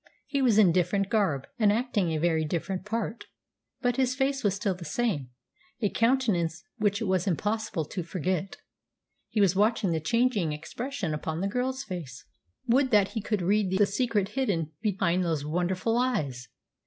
He was in different garb, and acting a very different part. But his face was still the same a countenance which it was impossible to forget. He was watching the changing expression upon the girl's face. Would that he could read the secret hidden behind those wonderful eyes!